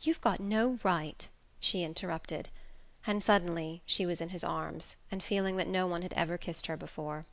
"You've got no right " she interrupted; and suddenly she was in his arms, and feeling that no one had ever kissed her before....